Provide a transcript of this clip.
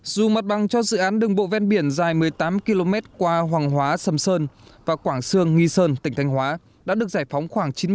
dù mặt bằng cho dự án đường bộ ven biển dài một mươi tám km qua hoàng hóa sầm sơn và quảng sương nghi sơn tỉnh thanh hóa đã được giải phóng khoảng chín mươi m